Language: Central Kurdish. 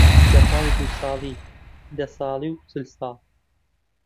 لەپاش دوو ساڵی، دە ساڵی و چل ساڵ